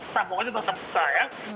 dan pokoknya tanpa muka ya